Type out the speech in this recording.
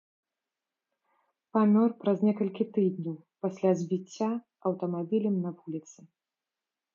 Памёр праз некалькі тыдняў пасля збіцця аўтамабілем на вуліцы.